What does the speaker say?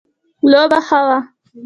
لوبه ښه وه